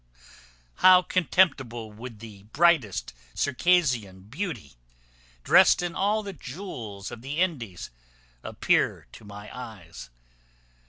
How contemptible would the brightest Circassian beauty, drest in all the jewels of the Indies, appear to my eyes!